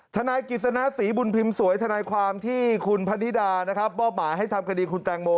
ทนายกิจสน้าสีบุญพิมพ์สวยทนายความที่คุณพระนิดาป้อมหมาให้ทำคดีคุณแกล้งโบ